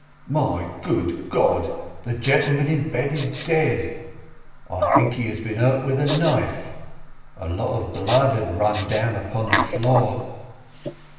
"My good God, the gentleman in bed is dead! I think he has been hurt with a knife—a lot of blood has run down upon the floor!"